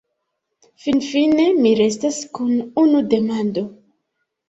Finfine, mi restas kun unu demando.